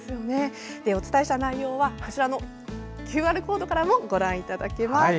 お伝えした内容はＱＲコードからもご覧いただけます。